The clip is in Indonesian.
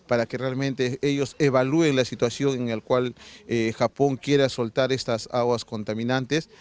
untuk mengevaluasi situasi di mana jepang ingin mengembalikan air yang berkontaminasi